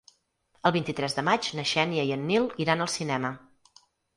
El vint-i-tres de maig na Xènia i en Nil iran al cinema.